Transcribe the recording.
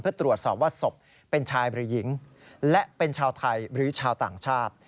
เพื่อตรวจสอบว่าศพเป็นชายหรือหญิงและเป็นชาวไทยหรือชาวต่างชาติ